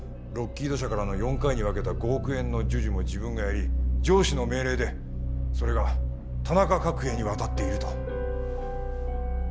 ロッキード社からの４回に分けた５億円の授受も自分がやり上司の命令でそれが田中角栄に渡っていると。